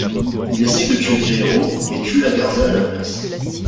Il essaye de tuer Jairo, mais tue La Garza à la place.